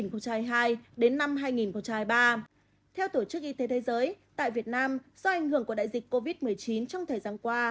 theo tổ chức y tế thế giới tại việt nam do ảnh hưởng của đại dịch covid một mươi chín trong thời gian qua